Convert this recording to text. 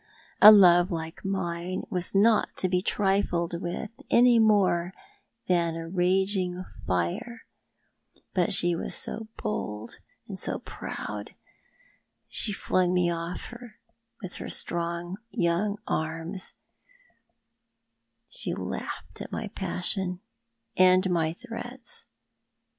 A love like mine was not to bo trifled with any more than a raging fire. But ''For is 7iot God All Mighty?'' 335 slie was so bold, and so proud. She flung me ofif with her strong young arms. She laughed at my passion and my threats.